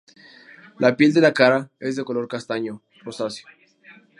La piel de la cara es de color castaño rosáceo.